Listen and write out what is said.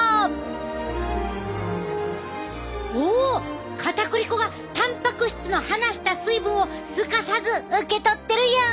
おおかたくり粉がたんぱく質の離した水分をすかさず受け取ってるやん！